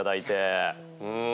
うん。